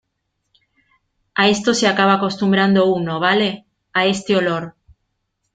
a esto se acaba acostumbrando uno, ¿ vale? a este olor.